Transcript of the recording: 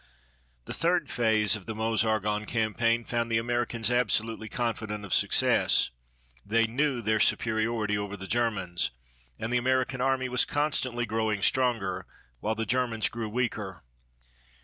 The third phase of the Meuse Argonne campaign found the Americans absolutely confident of success. They knew their superiority over the Germans, and the American Army was constantly growing stronger while the Germans grew weaker.